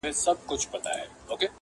که په ښار کي نور طوطیان وه دی پاچا وو!